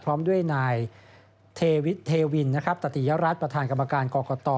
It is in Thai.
พร้อมด้วยนายเทวิเทวินตติยรัฐประธานกรรมการกรกต